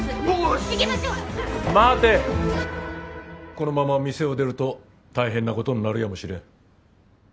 このまま店を出ると大変なことになるやもしれん。